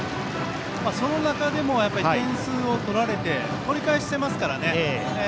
その中でも点数を取られてから取り返してますからね。